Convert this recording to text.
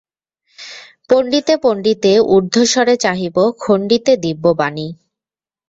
পণ্ডিতে পণ্ডিতে ঊর্ধ্বস্বরে চাহিব খণ্ডিতে দিব্য বাণী।